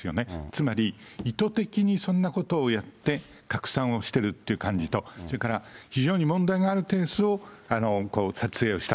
つまり、意図的にそんなことをやって、拡散をしてるという感じと、それから非常に問題があるケースを撮影をした。